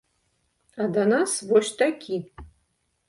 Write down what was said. А да нас вось такі.